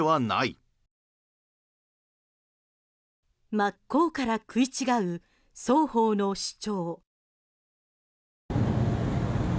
真っ向から食い違う双方の主張。